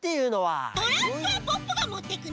トランプはポッポがもってくね！